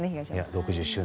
６０周年